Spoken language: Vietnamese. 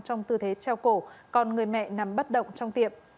trong tư thế treo cổ còn người mẹ nằm bất động trong tiệm